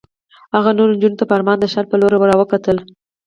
هغه نورو نجونو په ارمان د ښار په لور را وکتل.